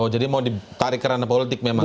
jadi mau ditarik karena politik memang ya